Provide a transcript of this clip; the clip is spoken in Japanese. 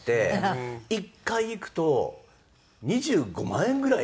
１回行くと２５万円ぐらい。